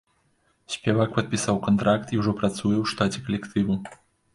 Спявак падпісаў кантракт і ўжо працуе ў штаце калектыву.